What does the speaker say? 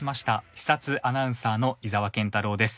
視察アナウンサーの井澤健太朗です。